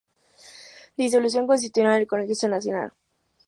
Disolución constitucional del Congreso Nacional.